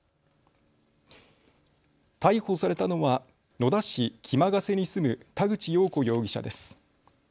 逮捕されたのは野田市木間ケ瀬に住む田口よう子容疑者です。